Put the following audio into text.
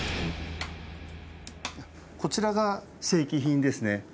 こちらが正規品ですね。